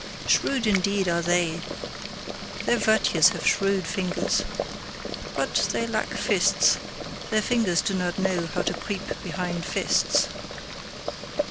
Shrewd indeed are they, their virtues have shrewd fingers. But they lack fists: their fingers do not know how to creep behind fists.